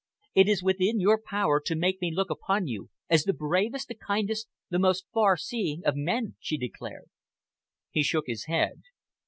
"It is within your power to make me look upon you as the bravest, the kindest, the most farseeing of men," she declared. He shook his head.